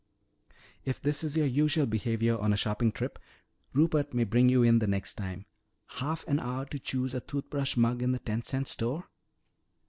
"If this is your usual behavior on a shopping trip, Rupert may bring you in the next time. Half an hour to choose a toothbrush mug in the ten cent store!"